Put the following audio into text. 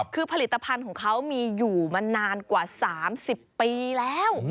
คือผลิตภัณฑ์ของเขามีอยู่มานานกว่า๓๐ปีแล้ว